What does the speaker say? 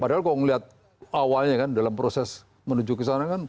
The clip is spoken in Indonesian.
padahal kalau melihat awalnya kan dalam proses menuju ke sana kan